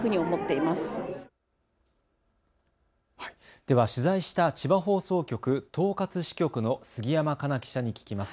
では取材した千葉放送局東葛支局の杉山加奈記者に聞きます。